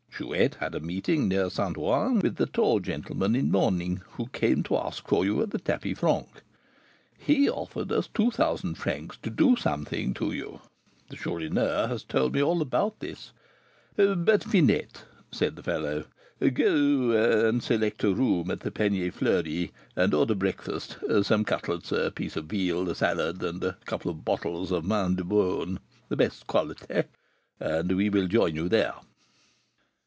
Chouette had a meeting near St. Ouen with the tall gentleman in mourning, who came to ask for you at the tapis franc. He offered us two thousand francs to do something to you. The Chourineur has told me all about this. But, Finette," said the fellow, "go and select a room at the Panier Fleuri, and order breakfast, some cutlets, a piece of veal, a salad, and a couple of bottles of vin de beaune, the best quality, and we will join you there."